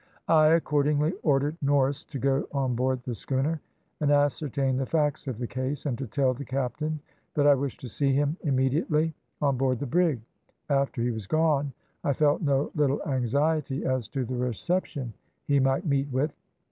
I accordingly ordered Norris to go on board the schooner and ascertain the facts of the case, and to tell the captain that I wished to see him immediately on board the brig; after he was gone, I felt no little anxiety as to the reception he might meet with.